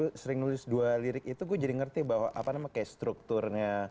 aku sering nulis dua lirik itu gue jadi ngerti bahwa apa namanya kayak strukturnya